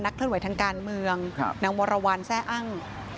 นักเท่าไหร่ทางการเมืองนางวรวรรณแซ่อ้ัง